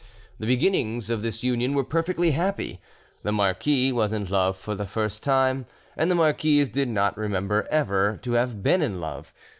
The beginnings of this union were perfectly happy; the marquis was in love for the first time, and the marquise did not remember ever to have been in love.